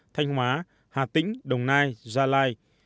thanh hóa hà tĩnh đồng nai gia lai